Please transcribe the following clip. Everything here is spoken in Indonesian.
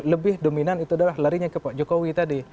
lebih dominan itu adalah larinya ke pak jokowi tadi